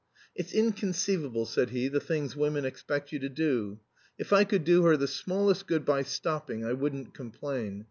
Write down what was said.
"It's inconceivable," said he, "the things women expect you to do. If I could do her the smallest good by stopping I wouldn't complain.